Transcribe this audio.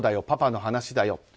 そうだよ、パパの話だよ。